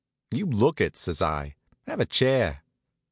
"You look it," says I. "Have a chair."